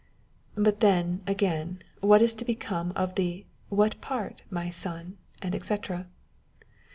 But then, again, what is to become of the "what part, my son?"&c.